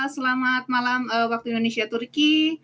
selamat malam waktu indonesia turki